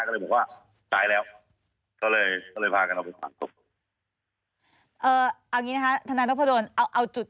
ก็เลยบอกว่าตายแล้วก็เลยพากันเอาไปยิ่งสารธุป